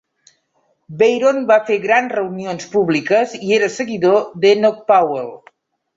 Baron va fer grans reunions públiques i era seguidor d'Enoch Powell.